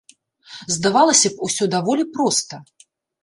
Здавалася б, усё даволі проста.